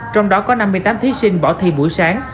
trong đó có năm mươi tám thí sinh bỏ thi buổi sáng